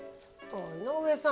井上さん